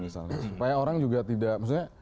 supaya orang juga tidak